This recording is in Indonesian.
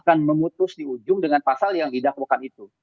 karena hakim akan memutus di ujung dengan pasal yang didakwakan itu